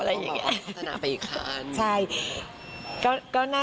ต้องมาพัฒนาไปอีกครั้ง